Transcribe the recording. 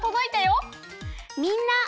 みんな。